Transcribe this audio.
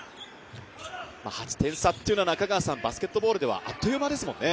８点差っていうのはバスケットボールではあっという間ですもんね。